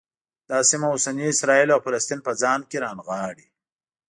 دا سیمه اوسني اسرایل او فلسطین په ځان کې رانغاړي.